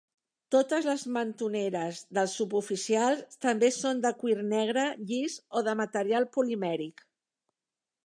Totes les mentoneres dels suboficials també són de cuir negre llis o de material polimèric.